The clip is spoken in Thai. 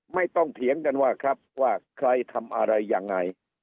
เถียงกันว่าครับว่าใครทำอะไรยังไง